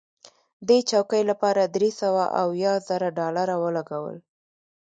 دې چوکۍ لپاره درې سوه اویا زره ډالره ولګول.